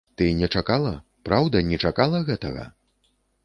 Ты не чакала, праўда, не чакала гэтага?